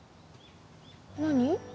何？